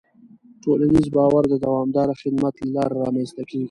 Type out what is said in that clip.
ټولنیز باور د دوامداره خدمت له لارې رامنځته کېږي.